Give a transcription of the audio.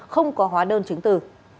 không có hóa đơn chứng từ